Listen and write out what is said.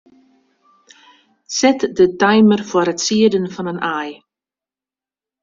Set de timer foar it sieden fan in aai.